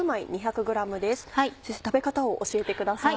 食べ方を教えてください。